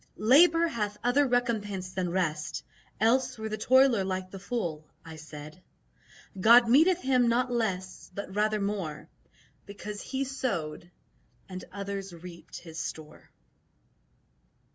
"Labour hath other recompense than rest, Else were the toiler like the fool," I said; "God meteth him not less, but rather more Because he sowed and others reaped his store."